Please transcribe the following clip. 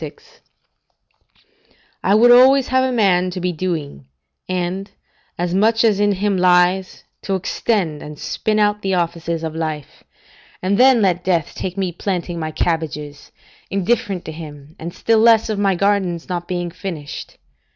] I would always have a man to be doing, and, as much as in him lies, to extend and spin out the offices of life; and then let death take me planting my cabbages, indifferent to him, and still less of my gardens not being finished.